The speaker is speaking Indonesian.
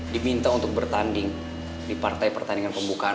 diminta untuk bertanding di partai pertandingan pembukaan